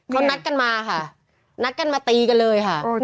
เขานัดกันมาค่ะนัดกันมาตีกันเลยค่ะ